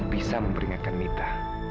aku bisa memperingatkan mita